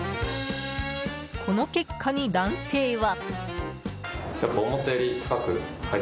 この結果に、男性は。